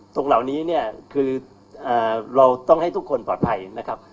ตรงเหล่านี้เนี่ยคือเราต้องให้ทุกคนปลอดภัยนะครับ